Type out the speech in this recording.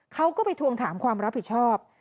เขาก็ไปทวงถามความรับผิดชอบ